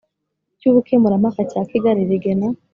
cy Ubukemurampaka cya Kigali Rigena